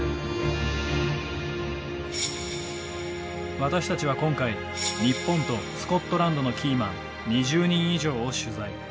私たちは今回日本とスコットランドのキーマン２０人以上を取材。